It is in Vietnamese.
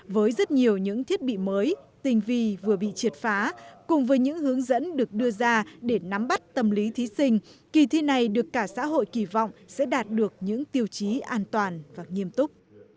với rất nhiều những thiết bị mới tình vi vừa bị triệt phá cùng với những hướng dẫn được đưa ra để nắm bắt tâm lý thí sinh kỳ thi này được cả xã hội kỳ vọng sẽ đạt được những tiêu chí an toàn và nghiêm túc